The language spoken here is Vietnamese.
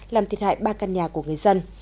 làm thiệt hại ba căn nhà của người dân